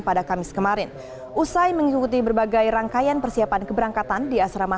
pada kamis kemarin usai mengikuti berbagai rangkaian persiapan keberangkatan di asrama